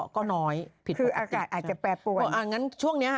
ก็น้อยผิดคืออากาศอาจจะแปรปวดอ๋ออ่างั้นช่วงนี้ฮะ